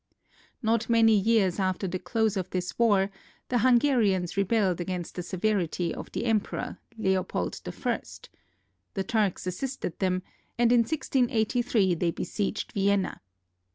Not many years after the close of this war, the Hungarians rebelled against the severity of the Emperor, Leopold I. The Turks assisted them, and in 1683 they besieged Vienna.